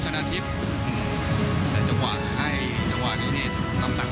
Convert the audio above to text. ชนานทิพย์แต่จังหวังให้จังหวังนี้เนี่ยน้ำตังค์